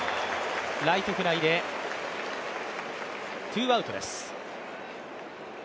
ライトフライで、ツーアウトです。